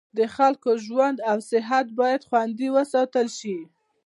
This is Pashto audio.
د خلکو ژوند او صحت باید خوندي وساتل شي.